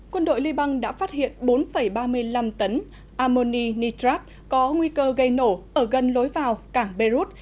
quân đội libang đã phát hiện bốn ba mươi năm tấn ammoni nitrate có nguy cơ gây nổ ở gần lối vào cảng beirut